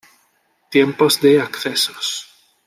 Tiempos de accesos